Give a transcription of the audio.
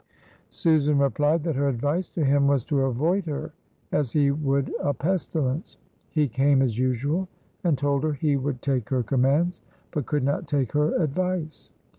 Susan replied that her advice to him was to avoid her as he would a pestilence. He came as usual, and told her he would take her commands, but could not take her advice.